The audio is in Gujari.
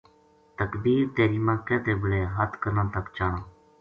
تکبیر تحریمہ کہتے بلے ہتھ کناں تک چانا